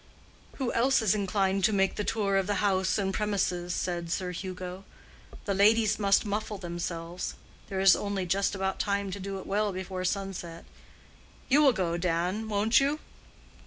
"Who else is inclined to make the tour of the house and premises?" said Sir Hugo. "The ladies must muffle themselves; there is only just about time to do it well before sunset. You will go, Dan, won't you?"